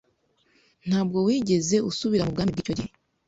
Ntabwo wigeze usubira mu bwami bw'icyo gihe